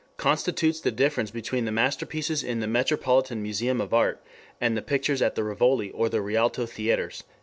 constitutes the difference between the masterpieces in the Metropolitan Museum of Art and the pictures at the Rivoli or the Rialto Theatres."